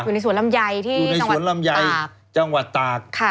อยู่ในสวนลำไยที่จังหวัดตาบ